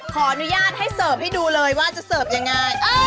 ขออนุญาตให้เสิร์ฟให้ดูเลยว่าจะเสิร์ฟยังไง